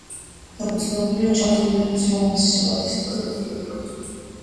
დაფუძნებულია ჩარლზ უილიამსის რომანზე შაბათის გრძელი ღამე.